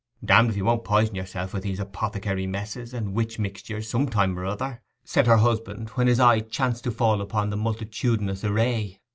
'Damned if you won't poison yourself with these apothecary messes and witch mixtures some time or other,' said her husband, when his eye chanced to fall upon the multitudinous array.